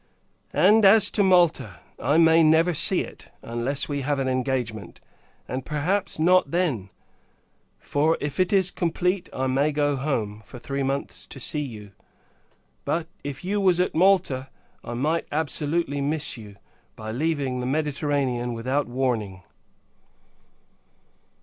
And, as to Malta, I may never see it, unless we have an engagement; and, perhaps, not then: for, if it is complete, I may go home, for three months, to see you; but, if you was at Malta, I might absolutely miss you, by leaving the Mediterranean without warning.